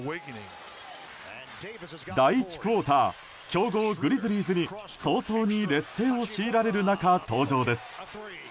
第１クオーター強豪グリズリーズに早々に劣勢を強いられる中登場です。